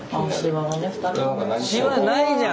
シワないじゃん。